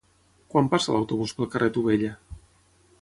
Quan passa l'autobús pel carrer Tubella?